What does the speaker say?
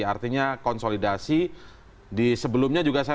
artinya konsolidasi di sebelumnya juga sama